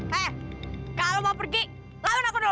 hei kalau mau pergi lawan aku dulu